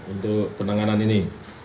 untuk penanganan ini